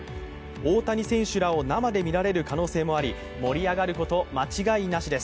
大谷選手らを生で見られる可能性もあり盛り上がること間違いなしです。